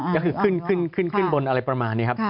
ก็คือขึ้นบนอะไรประมาณนี้ครับ